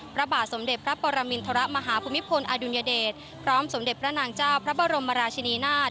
พระบาทสมเด็จพระปรมินทรมาฮภูมิพลอดุลยเดชพร้อมสมเด็จพระนางเจ้าพระบรมราชินีนาฏ